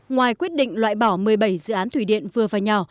ngoài quyết định loại bỏ một mươi bảy dự án thủy điện vừa và nhỏ